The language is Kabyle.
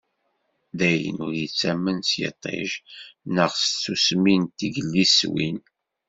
Dayen, ur tettamen s yiṭij neɣ s tsusmi n tegliswin.